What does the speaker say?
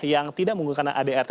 yang tidak menggunakan adrt